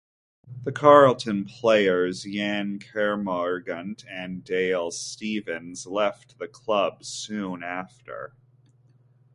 Charlton players Yann Kermorgant and Dale Stephens left the club soon after.